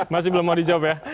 masih belum mau dijawab ya